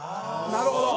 なるほど！